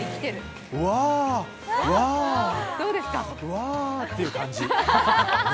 わ！っていう感じ。